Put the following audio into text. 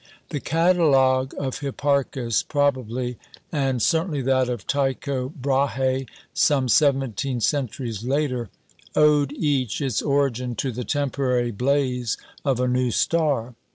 The catalogue of Hipparchus probably, and certainly that of Tycho Brahe, some seventeen centuries later, owed each its origin to the temporary blaze of a new star.